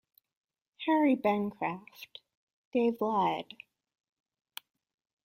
Harry Bancroft, Dave lied.